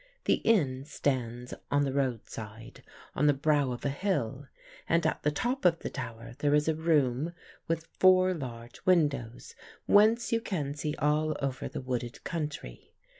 The inn stands on the roadside, on the brow of a hill, and at the top of the tower there is a room with four large windows, whence you can see all over the wooded country.